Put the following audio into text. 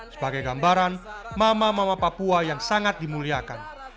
sebagai gambaran mama mama papua yang sangat dimuliakan